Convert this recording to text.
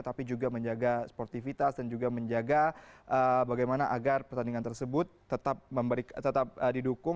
tapi juga menjaga sportivitas dan juga menjaga bagaimana agar pertandingan tersebut tetap didukung